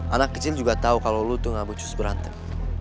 anak kecil juga tau kalo lo tuh gak bucus berantem